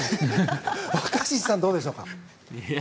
若新さん、どうでしょうか。